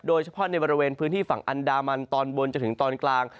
โดยเฉพาะในบริเวณพื้นที่ฝั่งอันดามันตอนบนจนถึงตอนกลาง